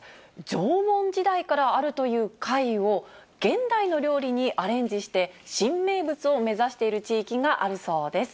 縄文時代からあるという貝を現代の料理にアレンジして、新名物を目指している地域があるそうです。